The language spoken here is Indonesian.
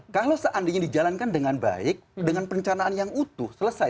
kalau seandainya dijalankan dengan baik dengan perencanaan yang utuh selesai